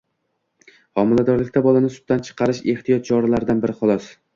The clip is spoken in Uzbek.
Homiladorlikda bolani sutdan chiqarish ehtiyot choralaridan biri, xolos.